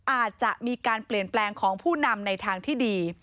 อาจจะมีการเปลี่ยนแปลงของผู้นำในทางที่ดี